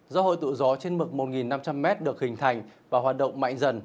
do hội tụ gió trên mực một năm trăm linh m được hình thành và hoạt động mạnh dần